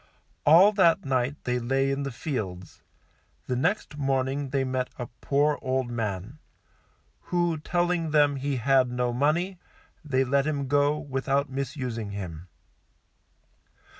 All that night they lay in the fields; the next morning they met a poor old man, who telling them he had no money, they let him go without misusing him.